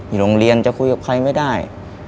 โรงเรียนจะคุยกับใครไม่ได้